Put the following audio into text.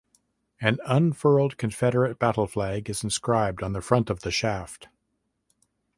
An unfurled Confederate battle flag is inscribed on the front of the shaft.